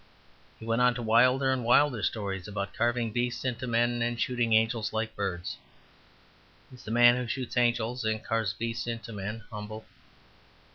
He went on to wilder and wilder stories about carving beasts into men and shooting angels like birds. Is the man who shoots angels and carves beasts into men humble?